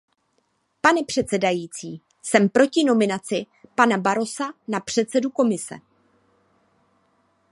Pane předsedající, jsem proti nominaci pana Barrosa na předsedu Komise.